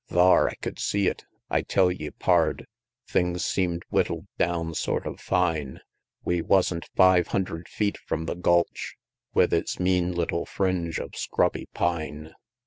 Thar! I could see it; I tell ye, pard, Things seem'd whittl'd down sort of fine We wasn't five hundred feet from the gulch, With its mean little fringe of scrubby pine.